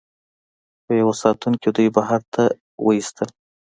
خو یوه ساتونکي دوی بهر ته وویستل